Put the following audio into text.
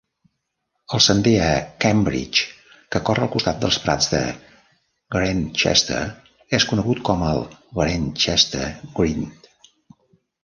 El sender a Cambridge que corre al costat dels prats de Grantchester és conegut com el Grantchester Grind.